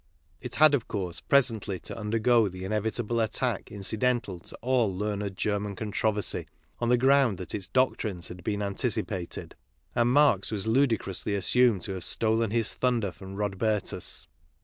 It had, of course, presently to under go the inevitable attack incidental to all learned German controversy — on the ground that its doctrines had been anticipated ; and Marx was ludicrously assumed to have stolen his thunder from Rodbertus.